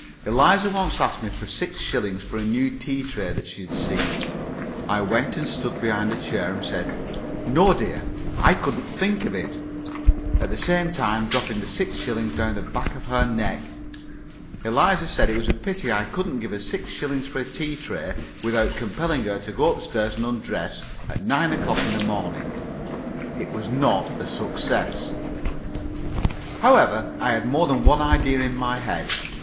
Eliza once asked me for six shillings for a new tea tray that she had seen. I went and stood behind her chair, and said, "No, dear, I couldn't think of it," at the same time dropping the six shillings down the back of her neck. Eliza said it was a pity I couldn't give her six shillings for a tea tray without compelling her to go up stairs and undress at nine o'clock in the morning. It was not a success. However, I had more than one idea in my head.